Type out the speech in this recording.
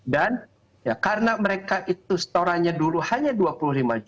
dan ya karena mereka itu setorannya dulu hanya rp dua puluh lima